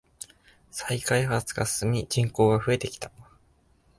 再開発が進み人口が増えてきた。